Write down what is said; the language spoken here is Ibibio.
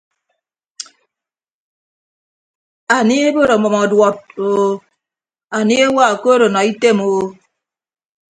Anie ebod ọmʌm ọduọd o anie ewa okood ọnọ item o.